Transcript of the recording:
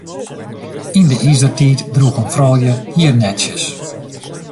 Yn de Izertiid droegen froulju hiernetsjes.